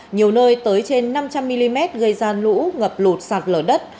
nhiều nơi tới trên năm trăm linh mm gây ra lũ ngập lụt sạt lở đất